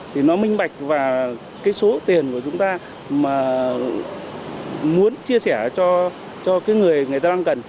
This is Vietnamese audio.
thì nó minh bạch và cái số tiền của chúng ta mà muốn chia sẻ cho cái người người ta đang cần